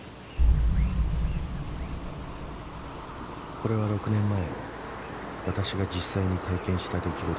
［これは６年前私が実際に体験した出来事です］